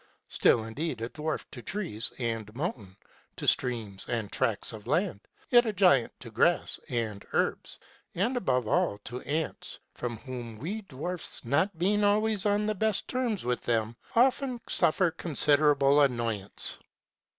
Still, indeed, a dwarf to trees and mountains, to streams, and tracts of land, yet a giant to grass and herbs, and, above all, to ants, from whom we dwarfs, not being always on the best terms with them, often suffer considerable annoyance.